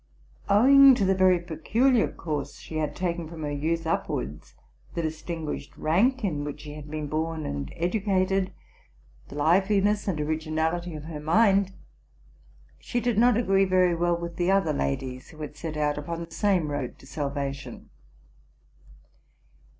Owing to the very peculiar course she had taken from her youth upwards, the distinguished rank in which she had been born and edu cated, and the liveliness and originality of her mind, she did not agree very well with the other ladies who had set out on the same road to salvation.